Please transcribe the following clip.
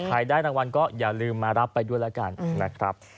ได้รางวัลก็อย่าลืมมารับไปด้วยแล้วกันนะครับ